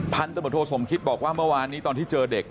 พันธบทโทสมคิตบอกว่าเมื่อวานนี้ตอนที่เจอเด็ก